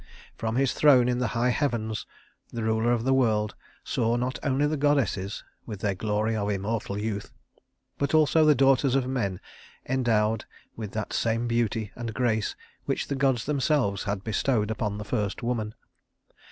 From his throne in the high heavens the ruler of the world saw not only the goddesses, with their glory of immortal youth, but also the daughters of men endowed with that same beauty and grace which the gods themselves had bestowed upon the first woman.